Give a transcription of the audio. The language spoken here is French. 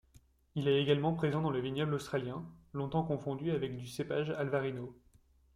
Il est également présent dans le vignoble australien, longtemps confondu avec du cépage alvarinho.